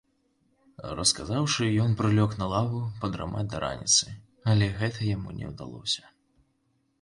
Расказаўшы, ён прылёг на лаву падрамаць да раніцы, але гэта яму не ўдалося.